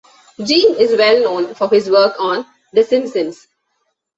Jean is well known for his work on "The Simpsons".